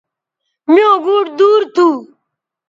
میوں گوٹ دور تھو